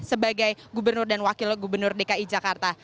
sebagai gubernur dan wakil gubernur dki jakarta